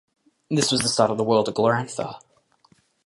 This was the start of the world of Glorantha.